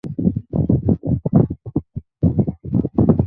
শুরু হলো প্রচণ্ড যুদ্ধ।